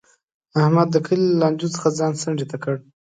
احمد د کلي له لانجو څخه ځان څنډې ته کړی دی.